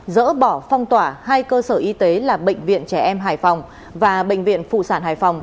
dỡ bỏ phong tỏa hai cơ sở y tế là bệnh viện trẻ em hải phòng và bệnh viện phụ sản hải phòng